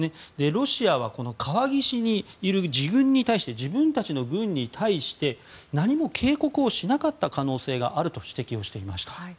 ロシアは川岸にいる自軍に対して何も警告をしなかった可能性があると指摘をしていました。